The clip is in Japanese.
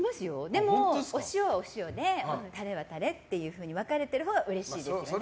でも、お塩はお塩でタレはタレっていうふうに分かれてるほうがうれしいです。